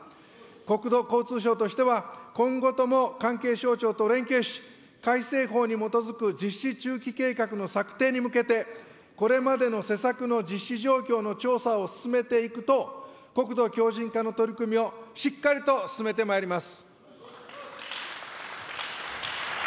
国土交通省としては、今後とも関係省庁と連携し、改正法に基づく実施中期計画の策定に向けて、これまでの施策の実施状況の調査を進めていくと国土強じん化の取り組みをしっかりと進めてまいります。